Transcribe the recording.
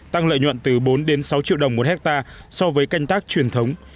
tăng lợi nhuận từ bốn đến sáu triệu đồng một hectare so với canh tác truyền thống